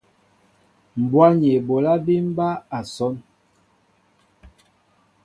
Mbwá ni eɓólá bí mɓá asón.